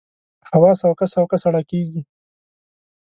هوا سوکه سوکه سړه کېږي